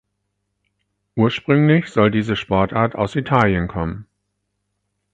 Ursprünglich soll diese Sportart aus Italien kommen.